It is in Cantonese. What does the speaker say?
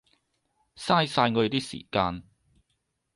嘥晒我哋啲時間